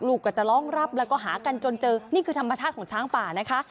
ลูกก็จะร้องรับแล้วก็หากันจนเจอนี่คือธรรมชาติของช้างป่านะคะ